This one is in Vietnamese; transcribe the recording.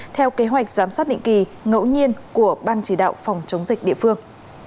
theo kế hoạch giám sát định kỳ ngẫu nhiên của ban chỉ đạo phòng chống dịch địa phương